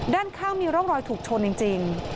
ด้านข้างมีร่องรอยถูกชนจริง